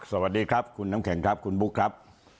สวัสดีครับคุณน้ำแข็งครับคุณบุ๊คครับ